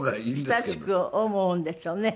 親しく思うんでしょうね。